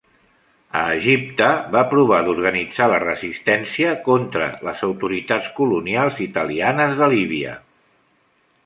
A Egipte, va provar d'organitzar la resistència contra les autoritats colonials italianes de Líbia.